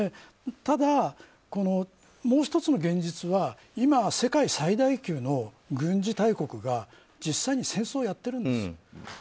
ただ、もう１つの現実は今、世界最大級の軍事大国が実際に戦争をやっているんですよ。